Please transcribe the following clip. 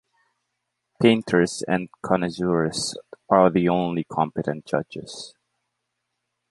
Painters and connoisseurs are the only competent judges.